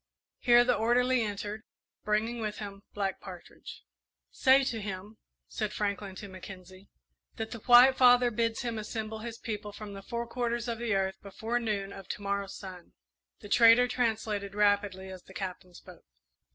Here the orderly entered, bringing with him Black Partridge. "Say to him," said Franklin to Mackenzie, "that the White Father bids him assemble his people from the four quarters of the earth before noon of to morrow's sun." The trader translated rapidly as the Captain spoke.